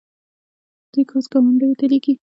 دوی ګاز ګاونډیو ته لیږي.